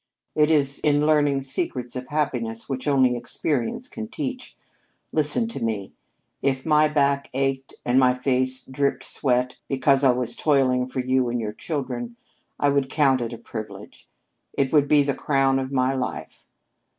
It is in learning secrets of happiness which only experience can teach. Listen to me: If my back ached and my face dripped sweat because I was toiling for you and your children, I would count it a privilege. It would be the crown of my life.